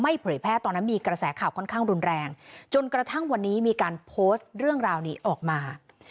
เผยแพร่ตอนนั้นมีกระแสข่าวค่อนข้างรุนแรงจนกระทั่งวันนี้มีการโพสต์เรื่องราวนี้ออกมา